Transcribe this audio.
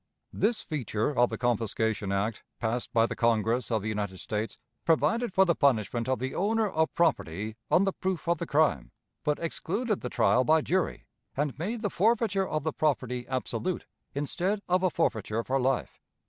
This feature of the confiscation act, passed by the Congress of the United States, provided for the punishment of the owner of property, on the proof of the crime, but excluded the trial by jury, and made the forfeiture of the property absolute instead of a forfeiture for life.